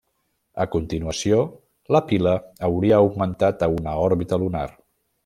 A continuació, la pila hauria augmentat a una òrbita lunar.